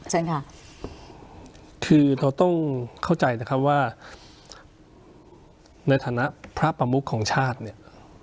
เชิญค่ะคือเราต้องเข้าใจนะครับว่าในฐานะพระประมุขของชาติเนี่ย